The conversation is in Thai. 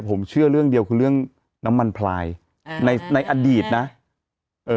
ผมเชื่อเรื่องเดียวคือเรื่องน้ำมันพลายอ่าในในอดีตนะเอ่อ